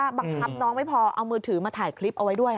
บังคับน้องไม่พอเอามือถือมาถ่ายคลิปเอาไว้ด้วย